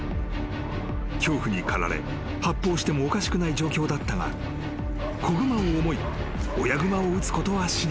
［恐怖に駆られ発砲してもおかしくない状況だったが子熊を思い親熊を撃つことはしなかった］